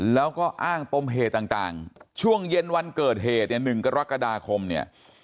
แล้วก็อ้างปมเหตุต่างช่วงเย็นวันเกิดเหตุเนี่ย๑กรกฎาคมเนี่ย